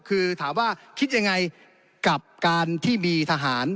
คือถามว่าคิดยังไงกับการที่มีทหาร